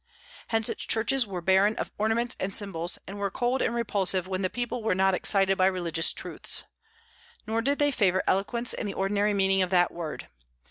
Hence its churches were barren of ornaments and symbols, and were cold and repulsive when the people were not excited by religious truths. Nor did they favor eloquence in the ordinary meaning of that word.